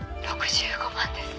６５万です。